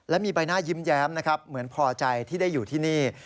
และมีใบหน้ายิ้มแย้มนะครับเหมือนพอใจที่ได้อยู่ที่นี่